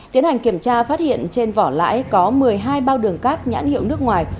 tiến hành kiểm tra phát hiện trên vỏ lãi có một mươi hai bao đường cát nhãn hiệu nước ngoài